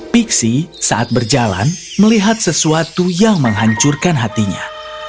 pixie saat berjalan melihat sesuatu yang menghancurkan hatinya